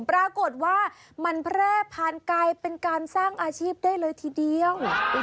ปรากฏว่ามันแพร่ผ่านไกลเป็นการสร้างอาชีพได้เลยทีเดียว